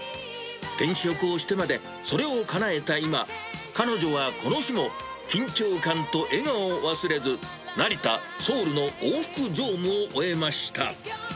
転職をしてまで、それをかなえた今、彼女はこの日も、緊張感と笑顔を忘れず、成田・ソウルの往復乗務を終えました。